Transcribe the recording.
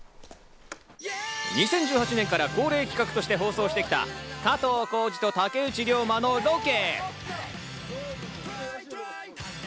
２０１８年から恒例企画として放送してきた、加藤浩次と竹内涼真のロケ。